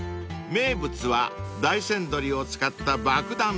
［名物は大山どりを使った爆弾つくね］